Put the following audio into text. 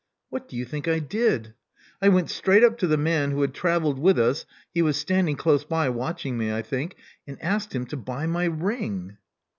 What do you think I did? I went straight up to the man who had travelled with us — ^he was standing close by, watching me, I think — and asked him to buy my ring."